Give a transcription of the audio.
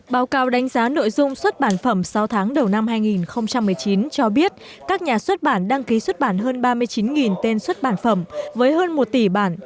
báo cáo đánh giá nội dung xuất bản phẩm sáu tháng đầu năm hai nghìn một mươi chín cho biết các nhà xuất bản đăng ký xuất bản hơn ba mươi chín tên xuất bản phẩm với hơn một tỷ bản